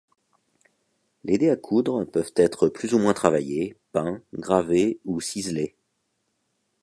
Les dés à coudre peuvent être plus ou moins travaillés, peints, gravés ou ciselés.